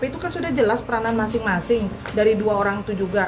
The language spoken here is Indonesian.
itu kan sudah jelas peranan masing masing dari dua orang itu juga